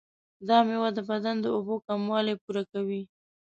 دا میوه د بدن د اوبو کموالی پوره کوي.